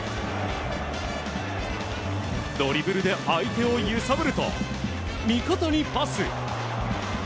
ドリブルで相手を揺さぶると味方にパス。